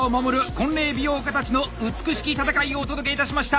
婚礼美容家たちの美しき戦いをお届けいたしました！